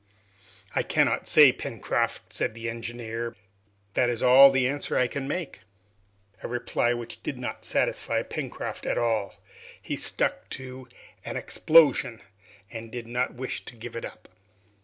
"I cannot say, Pencroft," said the engineer. "That is all the answer I can make." A reply which did not satisfy Pencroft at all. He stuck to "an explosion," and did not wish to give it up.